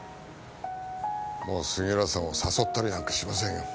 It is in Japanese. もう杉浦さんを誘ったりなんかしませんよ。